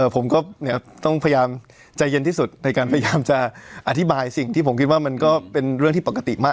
ผมก็ต้องพยายามใจเย็นที่สุดในการพยายามจะอธิบายสิ่งที่ผมคิดว่ามันก็เป็นเรื่องที่ปกติมาก